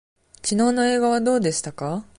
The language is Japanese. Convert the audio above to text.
きのうの映画はどうでしたか。